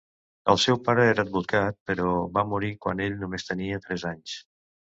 El seu pare era advocat, però va morir quan ell només tenia tres anys.